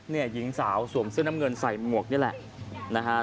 หญิงสาวสวมเสื้อน้ำเงินใส่หมวกนี่แหละนะฮะ